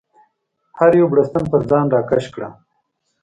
هر یو بړستن پر ځان راکش کړه.